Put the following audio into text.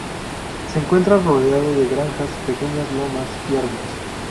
Se encuentra rodeado de granjas, pequeñas lomas, y árboles.